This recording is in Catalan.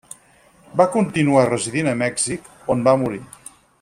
Va continuar residint a Mèxic, on va morir.